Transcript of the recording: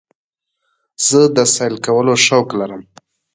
زه د سیل کولو شوق لرم.